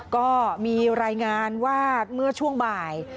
ก็มีรายงานว่าเมื่อช่วงบ่าย